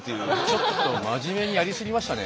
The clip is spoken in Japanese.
ちょっと真面目にやり過ぎましたね。